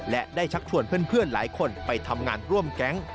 และได้ชักชวนเพื่อนหลายคนไปทำงานร่วมแก๊ง